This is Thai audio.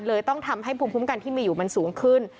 ต้องทำให้ภูมิคุ้มกันที่มีอยู่มันสูงขึ้น